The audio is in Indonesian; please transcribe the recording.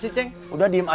ibu guru siapa